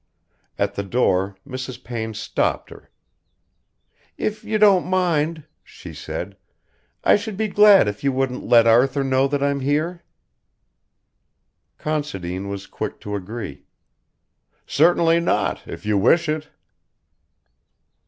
At the door Mrs. Payne stopped her. "If you don't mind," she said, "I should be glad if you wouldn't let Arthur know that I'm here." Considine was quick to agree: "Certainly not, if you wish it."